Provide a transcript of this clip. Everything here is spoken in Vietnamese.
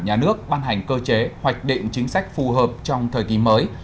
nhà nước ban hành cơ chế hoạch định chính sách phù hợp trong thời kỳ mới